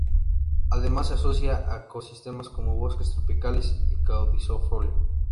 Además se asocia a ecosistemas como bosques tropicales y caducifolio.